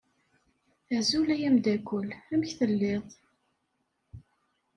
Azul a ameddakel! Amek telliḍ?